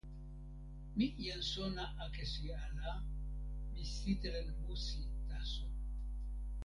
mi jan sona akesi ala. mi sitelen musi taso.